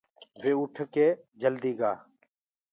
وي اُٺ ڪي جلدي آگآ۔